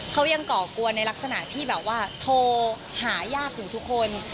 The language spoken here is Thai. เขายังก่อกวนในลักษณะที่แบบว่าโทรหายากถึงทุกคน